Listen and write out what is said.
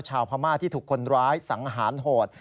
ชาวพม่าที่ถูกคนร้ายสังหารโหด